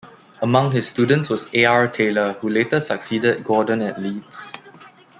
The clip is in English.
Among his students was A. R. Taylor, who later succeeded Gordon at Leeds.